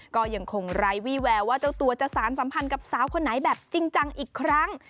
ก็ยังคงไร้วี่แววว่าเจ้าตัวจะสารสัมพันธ์กับสาวคนไหนแบบจริงจังอีกครั้ง